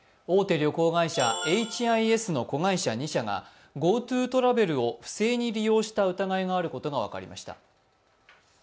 旅行会社エイチ・アイ・エスの子会社２社が、ＧｏＴｏトラベルを不正に利用した疑いがあることが分かりました。